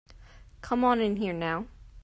Come on in here now.